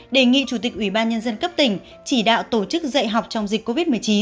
đề nghị chủ tịch ubnd cấp tỉnh chỉ đạo tổ chức dạy học trong dịch covid một mươi chín